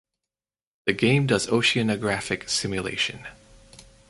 The game does oceanographic simulation.